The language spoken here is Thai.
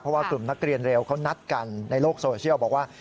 เพราะว่ากลุ่มนักเรียนเร็วเขานัดกันในโลกโซเชียลบอกว่า